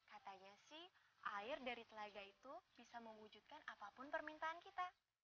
katanya sih air dari telaga itu bisa mewujudkan apapun permintaan kita